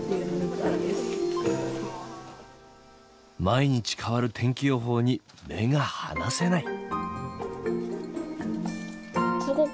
毎日変わる天気予報に目が離せない。